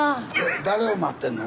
誰を待ってんの？